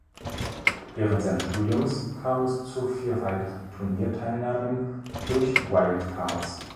Während seines Studiums kam es zu vier weiteren Turnierteilnahmen durch Wildcards.